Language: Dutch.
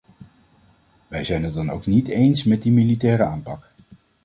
Wij zijn het dan ook niet eens met die militaire aanpak.